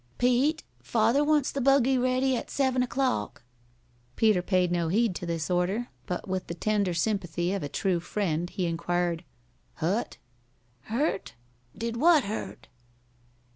"Pete, father wants the buggy ready at seven o'clock." Peter paid no heed to this order, but with the tender sympathy of a true friend he inquired, "Hu't?" "Hurt? Did what hurt?"